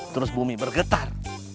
terus bumi bergetar